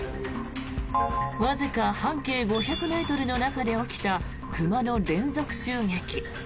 わずか半径５００ｍの中で起きた熊の連続襲撃。